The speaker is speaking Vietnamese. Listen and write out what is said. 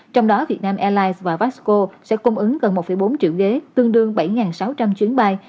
trong đó việt nam airlines và vasco sẽ cung ứng gần một bốn triệu ghế tương đương bảy sáu trăm linh chuyến bay